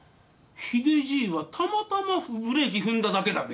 秀じいはたまたまブレーキ踏んだだけだべ？